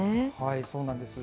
そうなんです。